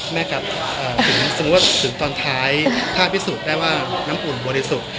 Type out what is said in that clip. แม่ครับถึงสมมุติว่าถึงตอนท้ายถ้าพิสูจน์ได้ว่าน้ำอุ่นบริสุทธิ์